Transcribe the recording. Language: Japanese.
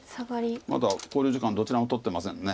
まだ考慮時間どちらも取ってませんね。